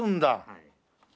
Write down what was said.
はい。